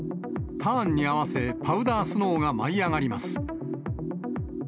ターンに合わせ、パウダースノーが舞い上がります。